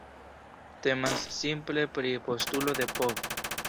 Temas simple pri postulo de povo.